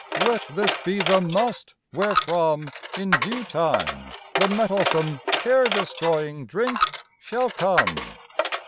Let this be the must wherefrom, In due time, the mettlesome Care destroying drink shall come.